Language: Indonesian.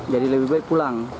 jadi lebih baik pulang